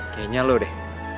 kayaknya lo deh